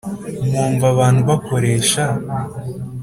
mwumva abantu bakoresha.